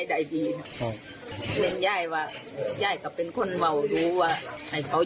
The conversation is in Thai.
แม่เขาก็ไม่สนใจนะมัน